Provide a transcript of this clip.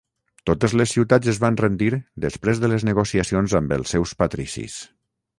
Totes les ciutats es van rendir després de les negociacions amb els seus patricis.